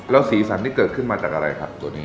แล้วสีสรรท์ที่เกิดขึ้นมาจากอะไรค่ะตัวนี้